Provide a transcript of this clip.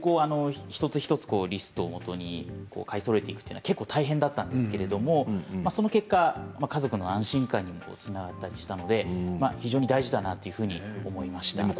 一つ一つリストをもとに買いそろえていくというのは結構、大変だったんですけれどその結果、家族の安心感にもつながったりしたので非常に大事だなというふうに思いました。